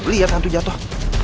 lihat hantu jatuh